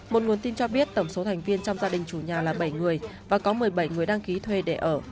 một nguồn tin cho biết tổng số thành viên trong gia đình chủ nhà là bảy người và có một mươi bảy người đăng ký thuê để ở